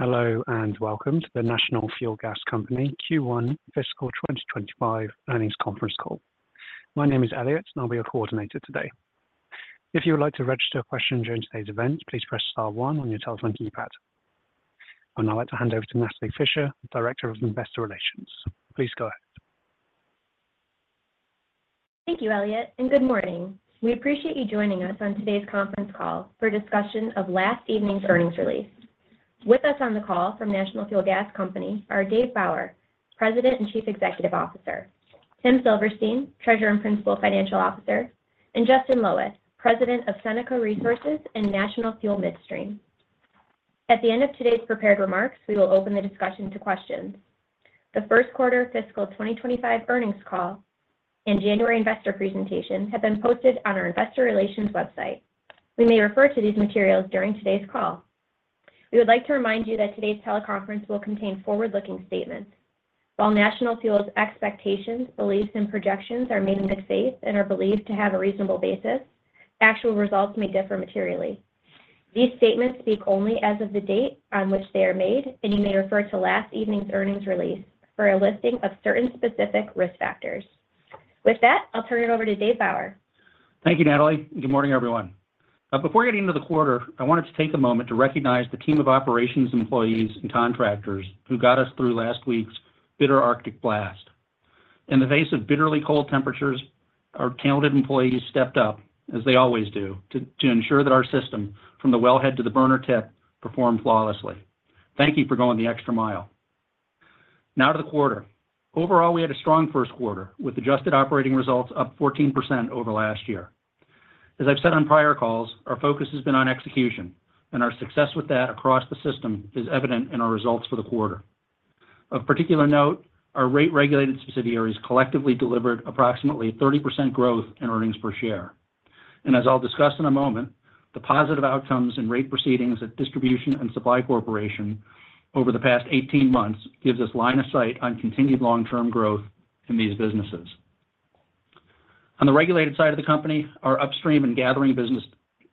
Hello and welcome to the National Fuel Gas Company Q1 Fiscal 2025 earnings conference call. My name is Elliott, and I'll be your coordinator today. If you would like to register a question during today's event, please press star one on your telephone keypad. I'll now like to hand over to Natalie Fischer, Director of Investor Relations. Please go ahead. Thank you, Elliott, and good morning. We appreciate you joining us on today's conference call for a discussion of last evening's earnings release. With us on the call from National Fuel Gas Company are Dave Bauer, President and Chief Executive Officer; Tim Silverstein, Treasurer and Principal Financial Officer; and Justin Loweth, President of Seneca Resources and National Fuel Midstream. At the end of today's prepared remarks, we will open the discussion to questions. The first quarter fiscal 2025 earnings call and January investor presentation have been posted on our investor relations website. We may refer to these materials during today's call. We would like to remind you that today's teleconference will contain forward-looking statements. While National Fuel's expectations, beliefs, and projections are made in good faith and are believed to have a reasonable basis, actual results may differ materially. These statements speak only as of the date on which they are made, and you may refer to last evening's earnings release for a listing of certain specific risk factors. With that, I'll turn it over to Dave Bauer. Thank you, Natalie. Good morning, everyone. Before getting into the quarter, I wanted to take a moment to recognize the team of operations employees and contractors who got us through last week's bitter Arctic blast. In the face of bitterly cold temperatures, our talented employees stepped up, as they always do, to ensure that our system, from the wellhead to the burner tip, performed flawlessly. Thank you for going the extra mile. Now to the quarter. Overall, we had a strong first quarter, with adjusted operating results up 14% over last year. As I've said on prior calls, our focus has been on execution, and our success with that across the system is evident in our results for the quarter. Of particular note, our rate-regulated subsidiaries collectively delivered approximately 30% growth in earnings per share. And as I'll discuss in a moment, the positive outcomes in rate proceedings at Distribution and Supply Corporation over the past 18 months give us line of sight on continued long-term growth in these businesses. On the regulated side of the company, our upstream and gathering business,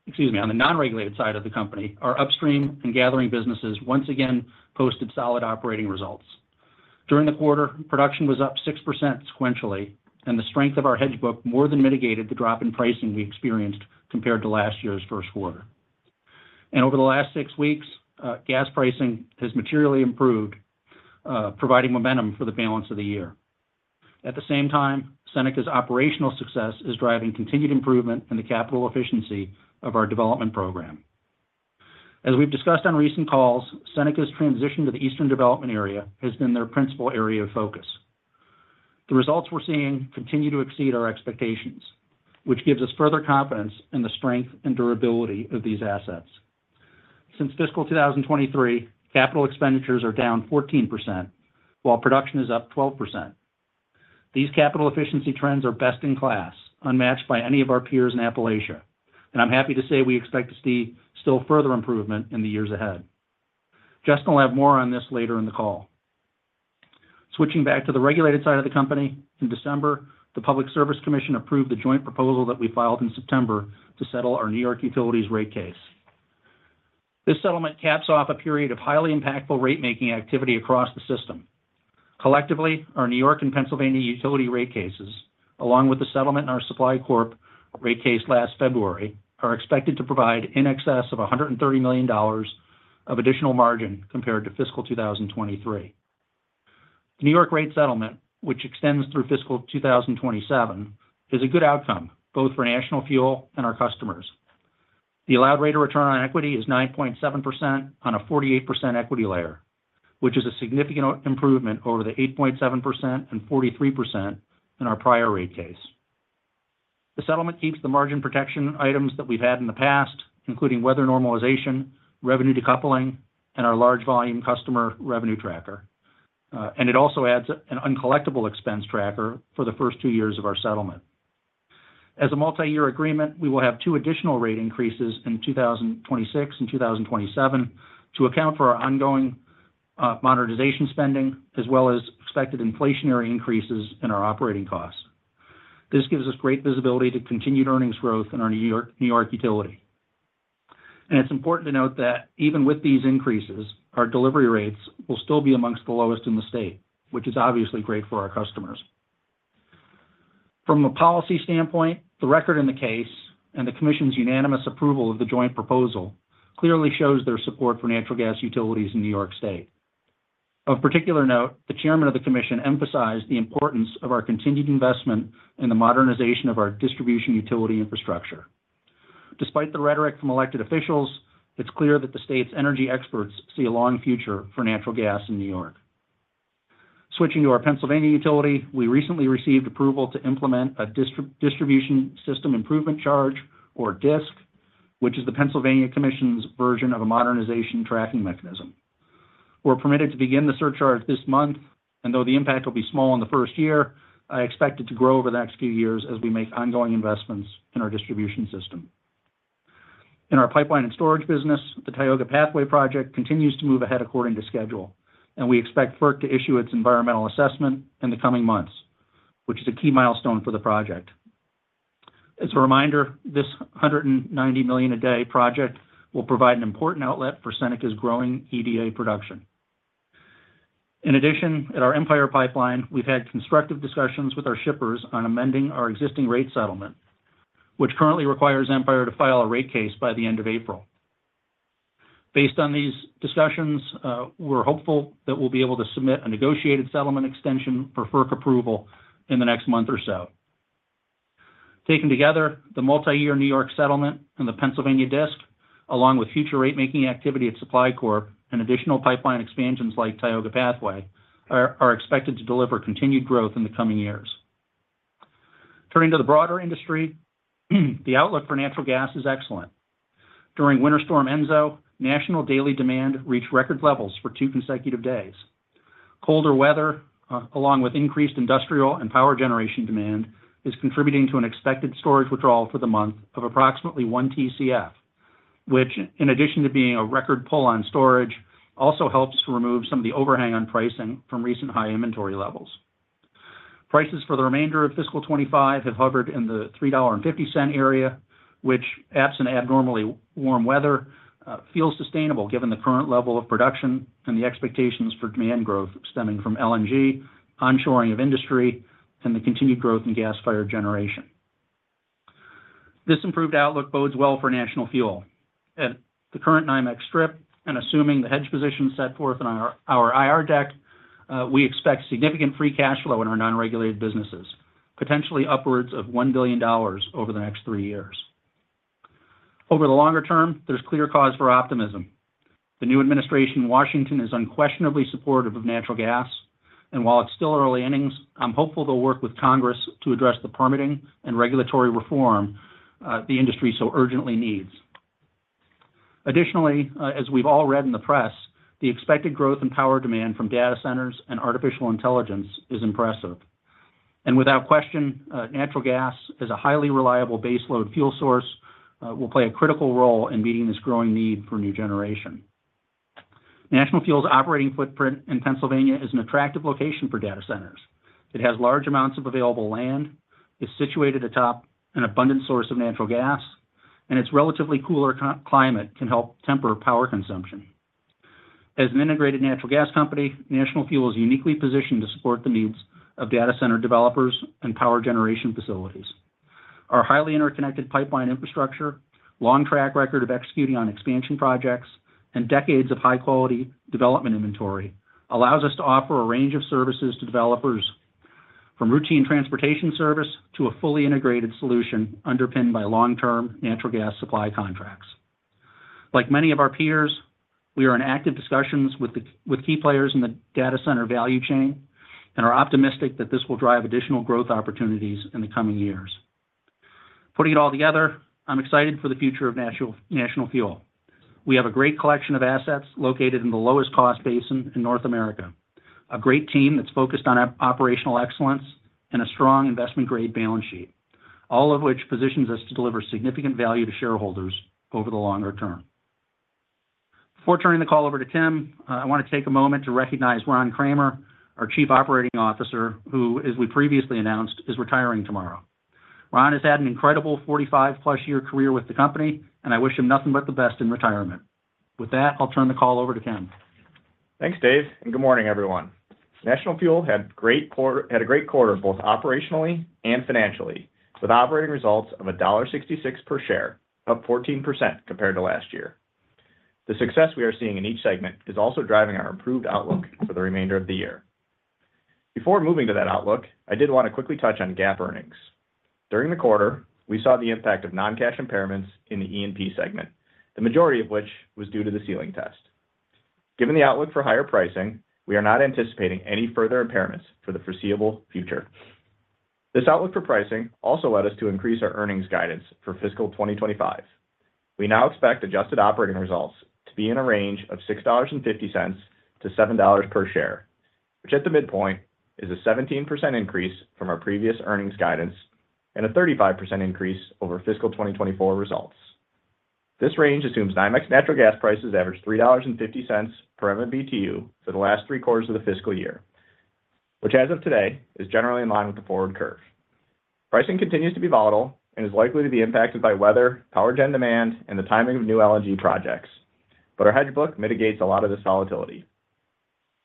excuse me, on the non-regulated side of the company, our upstream and gathering businesses once again posted solid operating results. During the quarter, production was up 6% sequentially, and the strength of our hedge book more than mitigated the drop in pricing we experienced compared to last year's first quarter. And over the last six weeks, gas pricing has materially improved, providing momentum for the balance of the year. At the same time, Seneca's operational success is driving continued improvement in the capital efficiency of our development program. As we've discussed on recent calls, Seneca's transition to the Eastern Development Area has been their principal area of focus. The results we're seeing continue to exceed our expectations, which gives us further confidence in the strength and durability of these assets. Since fiscal 2023, capital expenditures are down 14%, while production is up 12%. These capital efficiency trends are best in class, unmatched by any of our peers in Appalachia, and I'm happy to say we expect to see still further improvement in the years ahead. Justin will have more on this later in the call. Switching back to the regulated side of the company, in December, the Public Service Commission approved the joint proposal that we filed in September to settle our New York utilities rate case. This settlement caps off a period of highly impactful rate-making activity across the system. Collectively, our New York and Pennsylvania utility rate cases, along with the settlement in our Supply Corp rate case last February, are expected to provide in excess of $130 million of additional margin compared to fiscal 2023. The New York rate settlement, which extends through fiscal 2027, is a good outcome both for National Fuel and our customers. The allowed rate of return on equity is 9.7% on a 48% equity layer, which is a significant improvement over the 8.7% and 43% in our prior rate case. The settlement keeps the margin protection items that we've had in the past, including weather normalization, revenue decoupling, and our large-volume customer revenue tracker, and it also adds an uncollectible expense tracker for the first two years of our settlement. As a multi-year agreement, we will have two additional rate increases in 2026 and 2027 to account for our ongoing modernization spending, as well as expected inflationary increases in our operating costs. This gives us great visibility to continued earnings growth in our New York utility. And it's important to note that even with these increases, our delivery rates will still be among the lowest in the state, which is obviously great for our customers. From a policy standpoint, the record in the case and the commission's unanimous approval of the joint proposal clearly shows their support for natural gas utilities in New York State. Of particular note, the chairman of the commission emphasized the importance of our continued investment in the modernization of our distribution utility infrastructure. Despite the rhetoric from elected officials, it's clear that the state's energy experts see a long future for natural gas in New York. Switching to our Pennsylvania utility, we recently received approval to implement a Distribution System Improvement Charge, or DSIC, which is the Pennsylvania commission's version of a modernization tracking mechanism. We're permitted to begin the surcharge this month, and though the impact will be small in the first year, I expect it to grow over the next few years as we make ongoing investments in our distribution system. In our pipeline and storage business, the Tioga Pathway Project continues to move ahead according to schedule, and we expect FERC to issue its environmental assessment in the coming months, which is a key milestone for the project. As a reminder, this $190 million-a-day project will provide an important outlet for Seneca's growing EDA production. In addition, at our Empire Pipeline, we've had constructive discussions with our shippers on amending our existing rate settlement, which currently requires Empire to file a rate case by the end of April. Based on these discussions, we're hopeful that we'll be able to submit a negotiated settlement extension for FERC approval in the next month or so. Taken together, the multi-year New York settlement and the Pennsylvania DSIC, along with future rate-making activity at Supply Corp and additional pipeline expansions like Tioga Pathway, are expected to deliver continued growth in the coming years. Turning to the broader industry, the outlook for natural gas is excellent. During Winter Storm Enzo, national daily demand reached record levels for two consecutive days. Colder weather, along with increased industrial and power generation demand, is contributing to an expected storage withdrawal for the month of approximately 1 Tcf, which, in addition to being a record pull on storage, also helps to remove some of the overhang on pricing from recent high inventory levels. Prices for the remainder of fiscal 2025 have hovered in the $3.50 area, which, absent abnormally warm weather, feels sustainable given the current level of production and the expectations for demand growth stemming from LNG, onshoring of industry, and the continued growth in gas fired generation. This improved outlook bodes well for National Fuel. At the current NYMEX strip, and assuming the hedge position set forth in our IR deck, we expect significant free cash flow in our non-regulated businesses, potentially upwards of $1 billion over the next three years. Over the longer term, there's clear cause for optimism. The new administration in Washington is unquestionably supportive of natural gas, and while it's still early innings, I'm hopeful they'll work with Congress to address the permitting and regulatory reform the industry so urgently needs. Additionally, as we've all read in the press, the expected growth in power demand from data centers and artificial intelligence is impressive. And without question, natural gas as a highly reliable baseload fuel source will play a critical role in meeting this growing need for new generation. National Fuel's operating footprint in Pennsylvania is an attractive location for data centers. It has large amounts of available land, is situated atop an abundant source of natural gas, and its relatively cooler climate can help temper power consumption. As an integrated natural gas company, National Fuel is uniquely positioned to support the needs of data center developers and power generation facilities. Our highly interconnected pipeline infrastructure, long track record of executing on expansion projects, and decades of high-quality development inventory allows us to offer a range of services to developers, from routine transportation service to a fully integrated solution underpinned by long-term natural gas supply contracts. Like many of our peers, we are in active discussions with key players in the data center value chain and are optimistic that this will drive additional growth opportunities in the coming years. Putting it all together, I'm excited for the future of National Fuel. We have a great collection of assets located in the lowest cost basin in North America, a great team that's focused on operational excellence and a strong investment-grade balance sheet, all of which positions us to deliver significant value to shareholders over the longer term. Before turning the call over to Tim, I want to take a moment to recognize Ron Kraemer, our Chief Operating Officer, who, as we previously announced, is retiring tomorrow. Ron has had an incredible 45+ year career with the company, and I wish him nothing but the best in retirement. With that, I'll turn the call over to Tim. Thanks, Dave, and good morning, everyone. National Fuel had a great quarter both operationally and financially, with operating results of $1.66 per share, up 14% compared to last year. The success we are seeing in each segment is also driving our improved outlook for the remainder of the year. Before moving to that outlook, I did want to quickly touch on GAAP earnings. During the quarter, we saw the impact of non-cash impairments in the E&P segment, the majority of which was due to the ceiling test. Given the outlook for higher pricing, we are not anticipating any further impairments for the foreseeable future. This outlook for pricing also led us to increase our earnings guidance for fiscal 2025. We now expect adjusted operating results to be in a range of $6.50-$7 per share, which at the midpoint is a 17% increase from our previous earnings guidance and a 35% increase over fiscal 2024 results. This range assumes NYMEX natural gas prices average $3.50 per MMBtu for the last three quarters of the fiscal year, which as of today is generally in line with the forward curve. Pricing continues to be volatile and is likely to be impacted by weather, power demand, and the timing of new LNG projects, but our hedge book mitigates a lot of this volatility.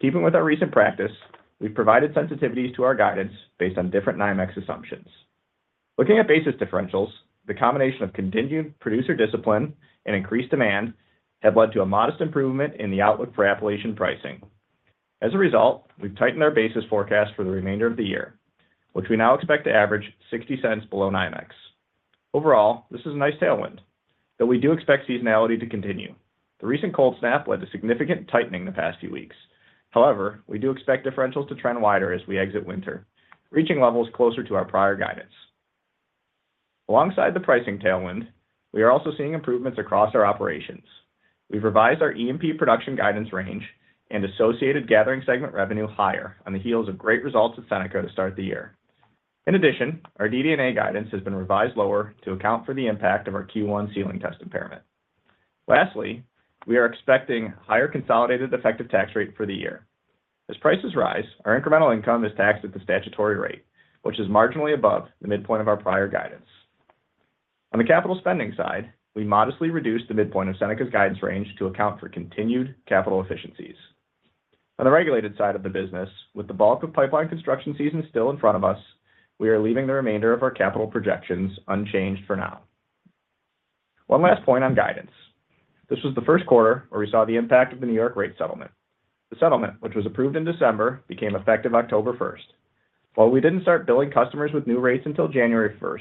Keeping with our recent practice, we've provided sensitivities to our guidance based on different NYMEX assumptions. Looking at basis differentials, the combination of continued producer discipline and increased demand has led to a modest improvement in the outlook for Appalachian pricing. As a result, we've tightened our basis forecast for the remainder of the year, which we now expect to average $0.60 below NYMEX. Overall, this is a nice tailwind, though we do expect seasonality to continue. The recent cold snap led to significant tightening in the past few weeks. However, we do expect differentials to trend wider as we exit winter, reaching levels closer to our prior guidance. Alongside the pricing tailwind, we are also seeing improvements across our operations. We've revised our E&P production guidance range and associated gathering segment revenue higher on the heels of great results at Seneca to start the year. In addition, our DD&A guidance has been revised lower to account for the impact of our Q1 ceiling test impairment. Lastly, we are expecting higher consolidated effective tax rate for the year. As prices rise, our incremental income is taxed at the statutory rate, which is marginally above the midpoint of our prior guidance. On the capital spending side, we modestly reduced the midpoint of Seneca's guidance range to account for continued capital efficiencies. On the regulated side of the business, with the bulk of pipeline construction season still in front of us, we are leaving the remainder of our capital projections unchanged for now. One last point on guidance. This was the first quarter where we saw the impact of the New York rate settlement. The settlement, which was approved in December, became effective October 1st. While we didn't start billing customers with new rates until January 1st,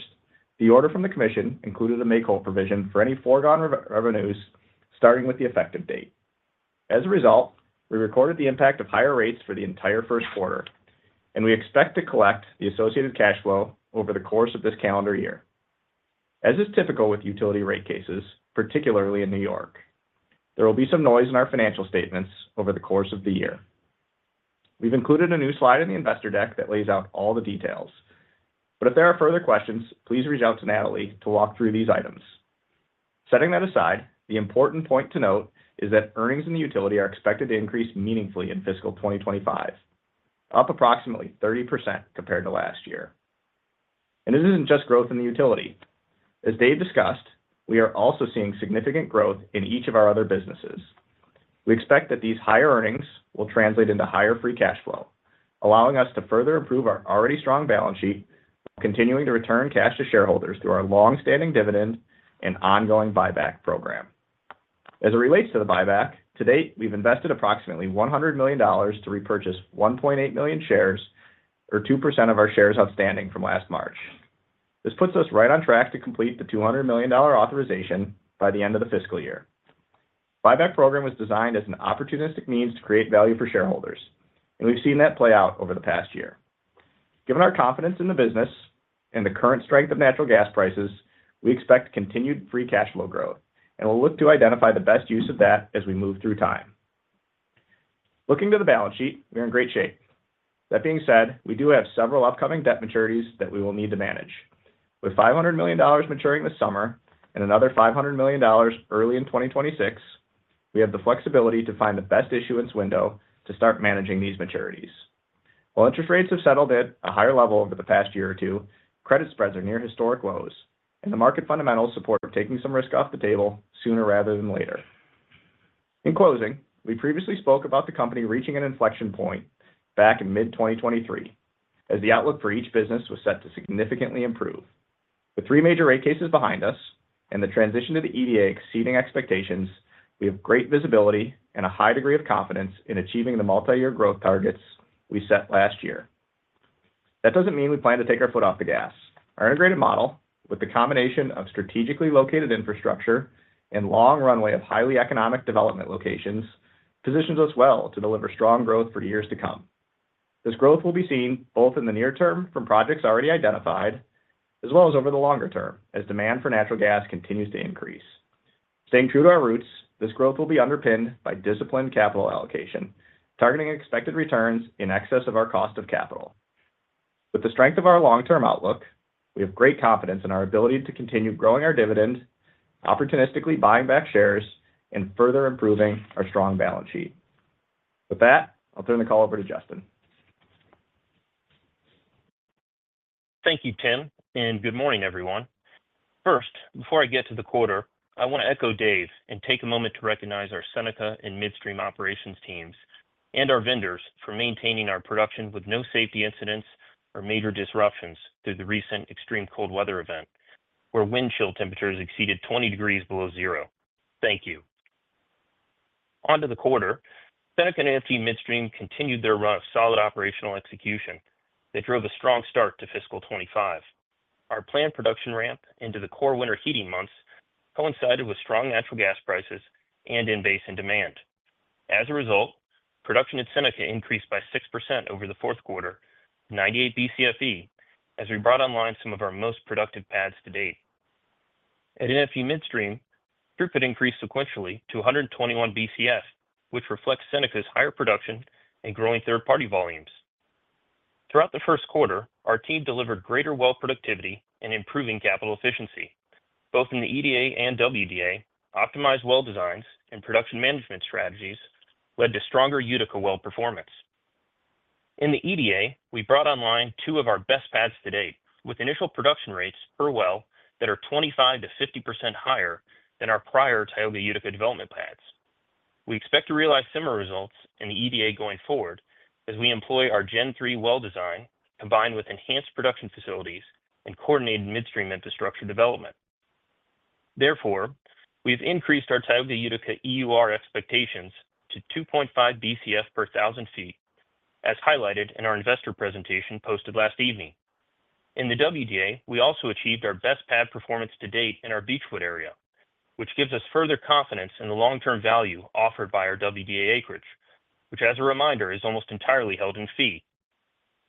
the order from the commission included a make-hole provision for any foregone revenues starting with the effective date. As a result, we recorded the impact of higher rates for the entire first quarter, and we expect to collect the associated cash flow over the course of this calendar year. As is typical with utility rate cases, particularly in New York, there will be some noise in our financial statements over the course of the year. We've included a new slide in the investor deck that lays out all the details, but if there are further questions, please reach out to Natalie to walk through these items. Setting that aside, the important point to note is that earnings in the utility are expected to increase meaningfully in fiscal 2025, up approximately 30% compared to last year. And this isn't just growth in the utility. As Dave discussed, we are also seeing significant growth in each of our other businesses. We expect that these higher earnings will translate into higher free cash flow, allowing us to further improve our already strong balance sheet while continuing to return cash to shareholders through our long-standing dividend and ongoing buyback program. As it relates to the buyback, to date, we've invested approximately $100 million to repurchase 1.8 million shares, or 2% of our shares outstanding from last March. This puts us right on track to complete the $200 million authorization by the end of the fiscal year. The buyback program was designed as an opportunistic means to create value for shareholders, and we've seen that play out over the past year. Given our confidence in the business and the current strength of natural gas prices, we expect continued free cash flow growth, and we'll look to identify the best use of that as we move through time. Looking to the balance sheet, we're in great shape. That being said, we do have several upcoming debt maturities that we will need to manage. With $500 million maturing this summer and another $500 million early in 2026, we have the flexibility to find the best issuance window to start managing these maturities. While interest rates have settled at a higher level over the past year or two, credit spreads are near historic lows, and the market fundamentals support taking some risk off the table sooner rather than later. In closing, we previously spoke about the company reaching an inflection point back in mid-2023, as the outlook for each business was set to significantly improve. With three major rate cases behind us and the transition to the EDA exceeding expectations, we have great visibility and a high degree of confidence in achieving the multi-year growth targets we set last year. That doesn't mean we plan to take our foot off the gas. Our integrated model, with the combination of strategically located infrastructure and a long runway of highly economic development locations, positions us well to deliver strong growth for years to come. This growth will be seen both in the near term from projects already identified, as well as over the longer term as demand for natural gas continues to increase. Staying true to our roots, this growth will be underpinned by disciplined capital allocation, targeting expected returns in excess of our cost of capital. With the strength of our long-term outlook, we have great confidence in our ability to continue growing our dividend, opportunistically buying back shares, and further improving our strong balance sheet. With that, I'll turn the call over to Justin. Thank you, Tim, and good morning, everyone. First, before I get to the quarter, I want to echo Dave and take a moment to recognize our Seneca and midstream operations teams and our vendors for maintaining our production with no safety incidents or major disruptions through the recent extreme cold weather event, where wind chill temperatures exceeded 20 degrees below zero. Thank you. Onto the quarter, Seneca and NFG Midstream continued their run of solid operational execution. They drove a strong start to fiscal 25. Our planned production ramp into the core winter heating months coincided with strong natural gas prices and in basin demand. As a result, production at Seneca increased by 6% over the fourth quarter, 98 BCFE, as we brought online some of our most productive pads to date. At NFG Midstream, throughput increased sequentially to 121 BCF, which reflects Seneca's higher production and growing third-party volumes. Throughout the first quarter, our team delivered greater well productivity and improving capital efficiency, both in the EDA and WDA. Optimized well designs and production management strategies led to stronger Utica well performance. In the EDA, we brought online two of our best pads to date, with initial production rates per well that are 25%-50% higher than our prior Tioga Utica development pads. We expect to realize similar results in the EDA going forward as we employ our Gen 3 well design, combined with enhanced production facilities and coordinated midstream infrastructure development. Therefore, we have increased our Tioga Utica EUR expectations to 2.5 BCF per 1,000 ft, as highlighted in our investor presentation posted last evening. In the WDA, we also achieved our best pad performance to date in our Beechwood area, which gives us further confidence in the long-term value offered by our WDA acreage, which, as a reminder, is almost entirely held in fee.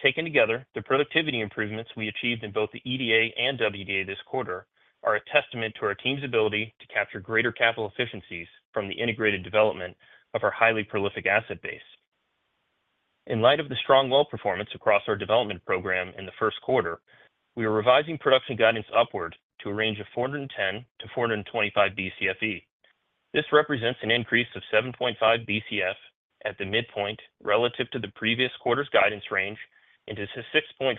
Taken together, the productivity improvements we achieved in both the EDA and WDA this quarter are a testament to our team's ability to capture greater capital efficiencies from the integrated development of our highly prolific asset base. In light of the strong well performance across our development program in the first quarter, we are revising production guidance upward to a range of 410-425 BCFE. This represents an increase of 7.5 BCF at the midpoint relative to the previous quarter's guidance range and is a 6.5%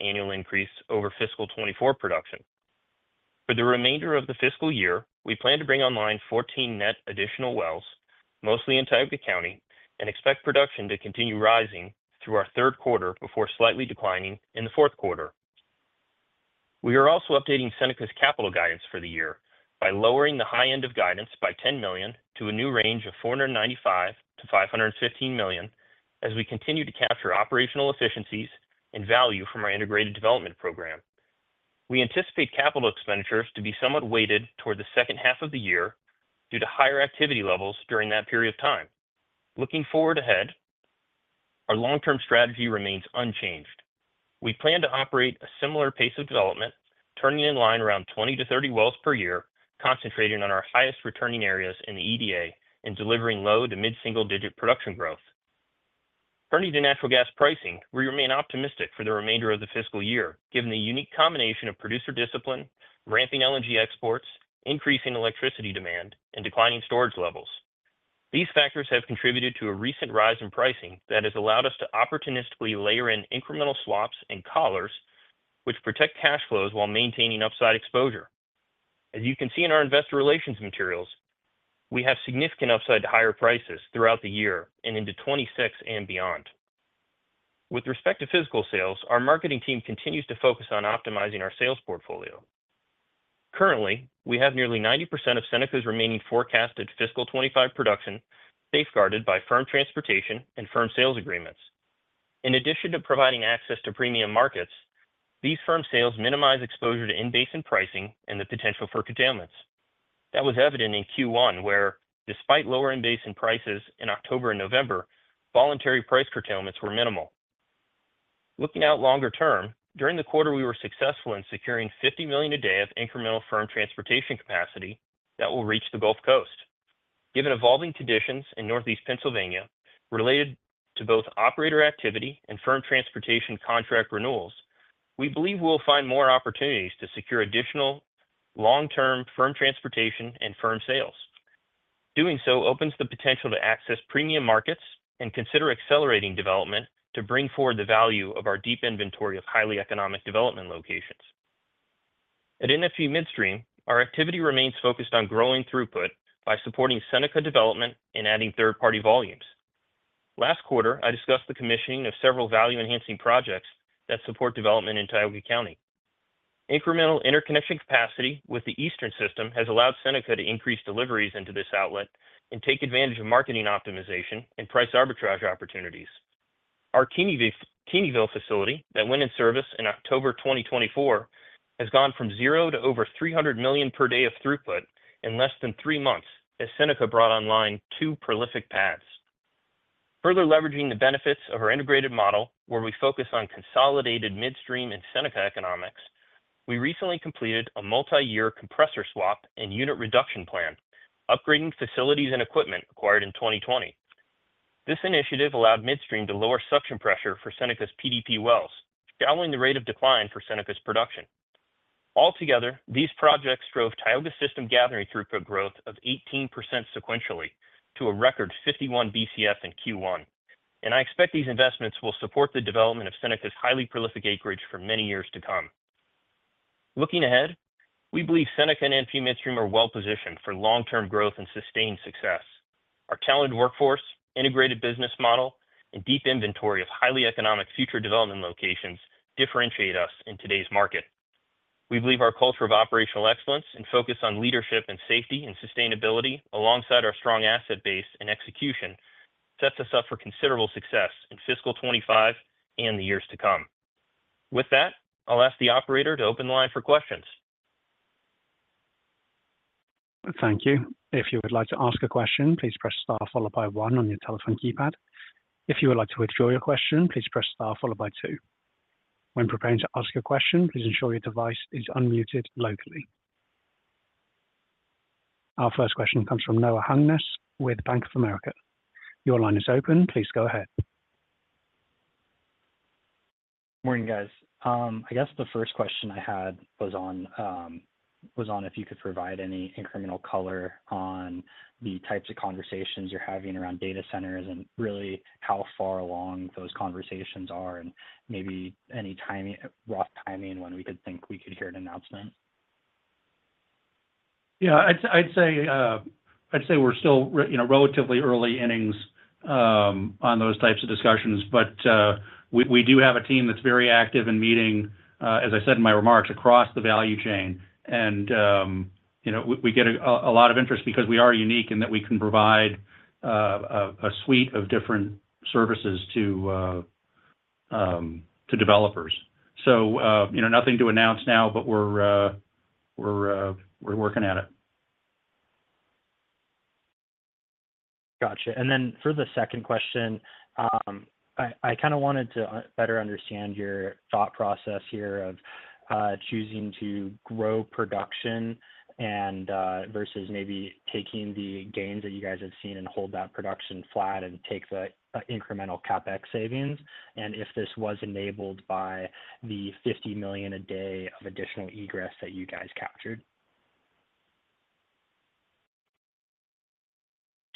annual increase over fiscal 2024 production. For the remainder of the fiscal year, we plan to bring online 14 net additional wells, mostly in Tioga County, and expect production to continue rising through our third quarter before slightly declining in the fourth quarter. We are also updating Seneca's capital guidance for the year by lowering the high end of guidance by $10 million to a new range of $495 million-515 million as we continue to capture operational efficiencies and value from our integrated development program. We anticipate capital expenditures to be somewhat weighted toward the second half of the year due to higher activity levels during that period of time. Looking forward ahead, our long-term strategy remains unchanged. We plan to operate a similar pace of development, turning in line around 20-30 wells per year, concentrating on our highest returning areas in the EDA and delivering low to mid-single-digit production growth. Turning to natural gas pricing, we remain optimistic for the remainder of the fiscal year, given the unique combination of producer discipline, ramping LNG exports, increasing electricity demand, and declining storage levels. These factors have contributed to a recent rise in pricing that has allowed us to opportunistically layer in incremental swaps and collars, which protect cash flows while maintaining upside exposure. As you can see in our investor relations materials, we have significant upside to higher prices throughout the year and into 2026 and beyond. With respect to fiscal sales, our marketing team continues to focus on optimizing our sales portfolio. Currently, we have nearly 90% of Seneca's remaining forecasted fiscal 2025 production safeguarded by firm transportation and firm sales agreements. In addition to providing access to premium markets, these firm sales minimize exposure to in-basin pricing and the potential for curtailments. That was evident in Q1, where, despite lower in-basin prices in October and November, voluntary price curtailments were minimal. Looking out longer term, during the quarter, we were successful in securing 50 million a day of incremental firm transportation capacity that will reach the Gulf Coast. Given evolving conditions in Northeast Pennsylvania related to both operator activity and firm transportation contract renewals, we believe we will find more opportunities to secure additional long-term firm transportation and firm sales. Doing so opens the potential to access premium markets and consider accelerating development to bring forward the value of our deep inventory of highly economic development locations. At NFG Midstream, our activity remains focused on growing throughput by supporting Seneca development and adding third-party volumes. Last quarter, I discussed the commissioning of several value-enhancing projects that support development in Tioga County. Incremental interconnection capacity with the Eastern system has allowed Seneca to increase deliveries into this outlet and take advantage of marketing optimization and price arbitrage opportunities. Our Keeneyville facility that went in service in October 2024 has gone from zero to over 300 million per day of throughput in less than three months as Seneca brought online two prolific pads. Further leveraging the benefits of our integrated model, where we focus on consolidated midstream and Seneca economics, we recently completed a multi-year compressor swap and unit reduction plan, upgrading facilities and equipment acquired in 2020. This initiative allowed Midstream to lower suction pressure for Seneca's PDP wells, shallowing the rate of decline for Seneca's production. Altogether, these projects drove Tioga's system gathering throughput growth of 18% sequentially to a record 51 BCF in Q1, and I expect these investments will support the development of Seneca's highly prolific acreage for many years to come. Looking ahead, we believe Seneca and NFG Midstream are well-positioned for long-term growth and sustained success. Our talented workforce, integrated business model, and deep inventory of highly economic future development locations differentiate us in today's market. We believe our culture of operational excellence and focus on leadership and safety and sustainability, alongside our strong asset base and execution, sets us up for considerable success in fiscal 2025 and the years to come. With that, I'll ask the operator to open the line for questions. Thank you. If you would like to ask a question, please press star followed by one on your telephone keypad. If you would like to withdraw your question, please press star followed by two. When preparing to ask a question, please ensure your device is unmuted locally. Our first question comes from Noah Hungness with Bank of America. Your line is open. Please go ahead. Morning, guys. I guess the first question I had was on if you could provide any incremental color on the types of conversations you're having around data centers and really how far along those conversations are and maybe any rough timing when we could think we could hear an announcement? Yeah, I'd say we're still relatively early innings on those types of discussions, but we do have a team that's very active in meeting, as I said in my remarks, across the value chain. And we get a lot of interest because we are unique in that we can provide a suite of different services to developers. So nothing to announce now, but we're working at it. Gotcha. And then for the second question, I kind of wanted to better understand your thought process here of choosing to grow production versus maybe taking the gains that you guys have seen and hold that production flat and take the incremental CapEx savings, and if this was enabled by the 50 million a day of additional egress that you guys captured?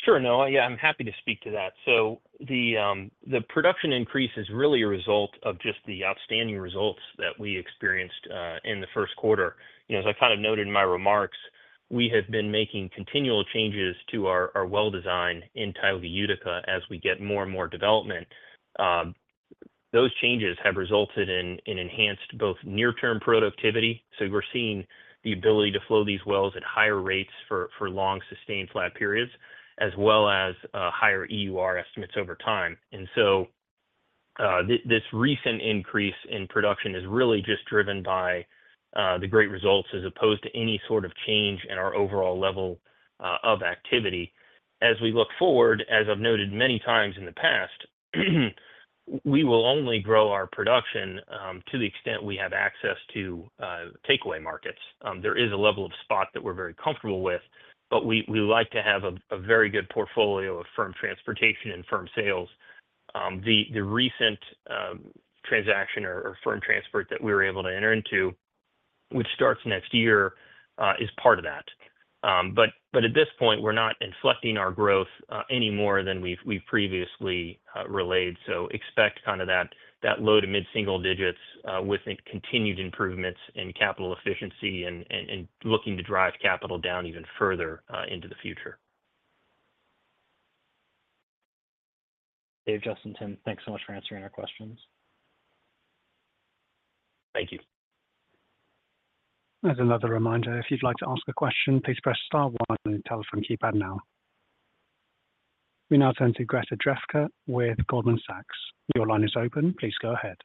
Sure, Noah. Yeah, I'm happy to speak to that. So the production increase is really a result of just the outstanding results that we experienced in the first quarter. As I kind of noted in my remarks, we have been making continual changes to our well design in Tioga Utica as we get more and more development. Those changes have resulted in enhanced both near-term productivity. So we're seeing the ability to flow these wells at higher rates for long sustained flat periods, as well as higher EUR estimates over time. And so this recent increase in production is really just driven by the great results as opposed to any sort of change in our overall level of activity. As we look forward, as I've noted many times in the past, we will only grow our production to the extent we have access to takeaway markets. There is a level of spot that we're very comfortable with, but we like to have a very good portfolio of firm transportation and firm sales. The recent transaction or firm transport that we were able to enter into, which starts next year, is part of that. But at this point, we're not inflecting our growth any more than we've previously relayed. So expect kind of that low to mid-single digits with continued improvements in capital efficiency and looking to drive capital down even further into the future. Dave, Justin, Tim, thanks so much for answering our questions. Thank you. As another reminder, if you'd like to ask a question, please press star one on your telephone keypad now. We now turn to Greta Drefke with Goldman Sachs. Your line is open. Please go ahead.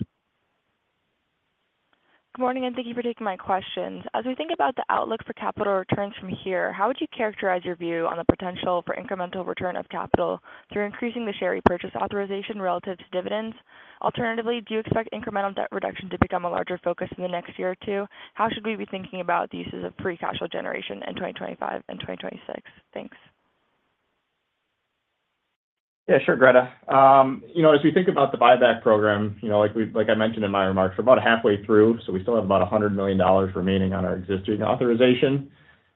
Good morning, and thank you for taking my questions. As we think about the outlook for capital returns from here, how would you characterize your view on the potential for incremental return of capital through increasing the share repurchase authorization relative to dividends? Alternatively, do you expect incremental debt reduction to become a larger focus in the next year or two? How should we be thinking about the uses of free cash flow generation in 2025 and 2026? Thanks. Yeah, sure, Greta. As we think about the buyback program, like I mentioned in my remarks, we're about halfway through, so we still have about $100 million remaining on our existing authorization.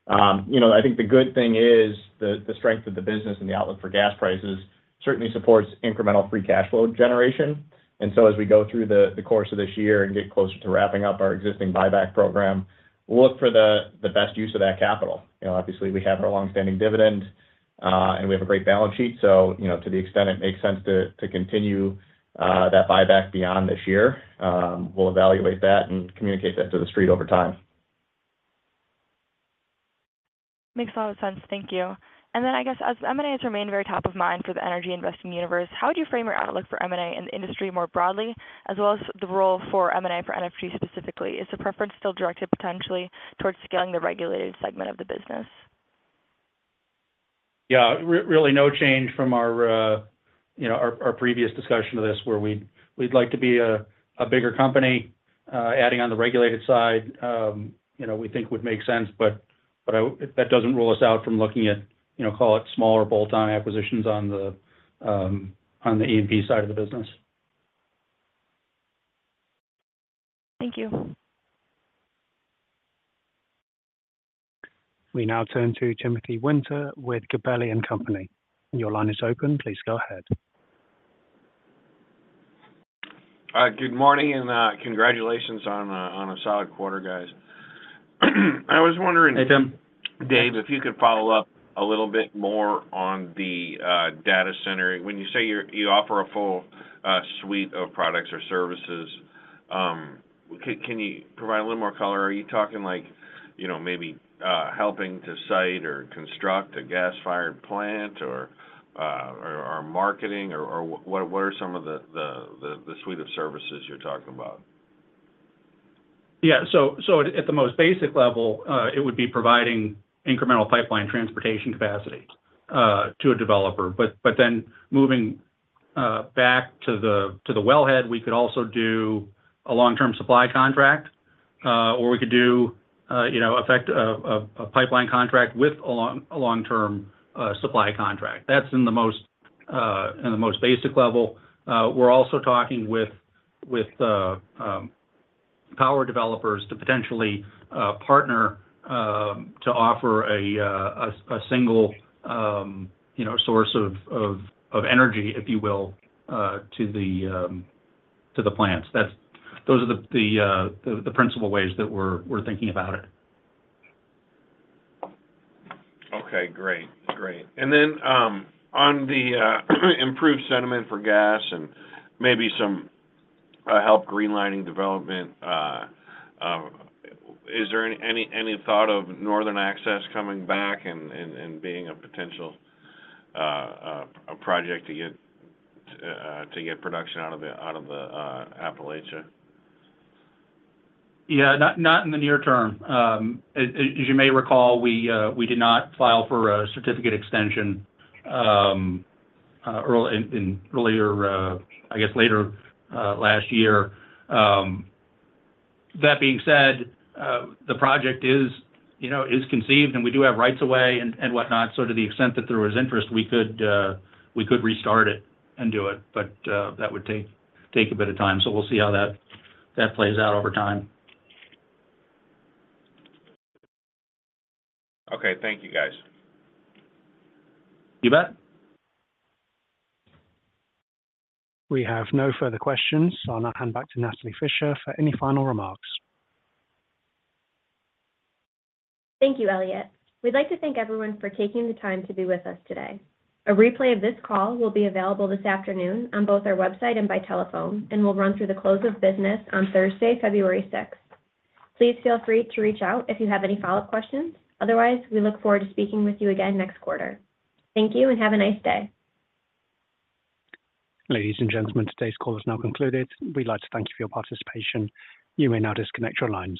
I think the good thing is the strength of the business and the outlook for gas prices certainly supports incremental free cash flow generation. And so as we go through the course of this year and get closer to wrapping up our existing buyback program, we'll look for the best use of that capital. Obviously, we have our long-standing dividend, and we have a great balance sheet. So to the extent it makes sense to continue that buyback beyond this year, we'll evaluate that and communicate that to the street over time. Makes a lot of sense. Thank you. I guess as M&A has remained very top of mind for the energy investing universe, how would you frame your outlook for M&A in the industry more broadly, as well as the role for M&A for NFG specifically? Is the preference still directed potentially towards scaling the regulated segment of the business? Yeah, really no change from our previous discussion of this, where we'd like to be a bigger company. Adding on the regulated side, we think would make sense, but that doesn't rule us out from looking at, call it, smaller bolt-on acquisitions on the E&P side of the business. Thank you. We now turn to Timothy Winter with Gabelli & Company. Your line is open. Please go ahead. Good morning, and congratulations on a solid quarter, guys. I was wondering. Hey, Tim. Dave, if you could follow up a little bit more on the data center. When you say you offer a full suite of products or services, can you provide a little more color? Are you talking like maybe helping to site or construct a gas-fired plant or marketing, or what are some of the suite of services you're talking about? Yeah, so at the most basic level, it would be providing incremental pipeline transportation capacity to a developer, but then moving back to the wellhead, we could also do a long-term supply contract, or we could do a pipeline contract with a long-term supply contract. That's in the most basic level. We're also talking with power developers to potentially partner to offer a single source of energy, if you will, to the plants. Those are the principal ways that we're thinking about it. Okay, great. Great. And then on the improved sentiment for gas and maybe some help greenlighting development, is there any thought of Northern Access coming back and being a potential project to get production out of Appalachia? Yeah, not in the near term. As you may recall, we did not file for a certificate extension earlier, I guess later last year. That being said, the project is conceived, and we do have right-of-way and whatnot. So to the extent that there was interest, we could restart it and do it, but that would take a bit of time. So we'll see how that plays out over time. Okay, thank you, guys. You bet. We have no further questions, so I'll now hand back to Natalie Fischer for any final remarks. Thank you, Elliott. We'd like to thank everyone for taking the time to be with us today. A replay of this call will be available this afternoon on both our website and by telephone, and we'll run through the close of business on Thursday, February 6th. Please feel free to reach out if you have any follow-up questions. Otherwise, we look forward to speaking with you again next quarter. Thank you and have a nice day. Ladies and gentlemen, today's call is now concluded. We'd like to thank you for your participation. You may now disconnect your lines.